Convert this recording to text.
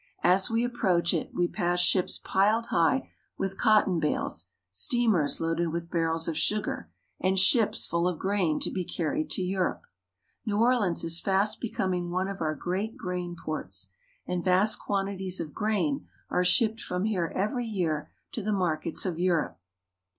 As we approach it we pass ships piled high with cotton bales, steamers loaded with barrels of sugar, and ships full of grain to be carried to Europe. New Orleans is fast becoming one of our NEW ORLEANS. 139 great grain ports, and vast quantities of grain are shipped from here every year to the markets of Europe.